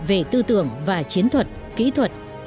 về tư tưởng và chiến thuật kỹ thuật